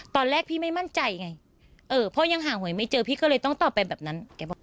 ตอนแรกพี่ไม่มั่นใจไงเออพ่อยังหาหวยไม่เจอพี่ก็เลยต้องตอบไปแบบนั้นแกบอก